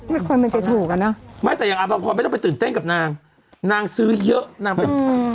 ไม่ควรมันจะถูกอ่ะเนอะไม่แต่อย่างอาภพรไม่ต้องไปตื่นเต้นกับนางนางซื้อเยอะนางเป็น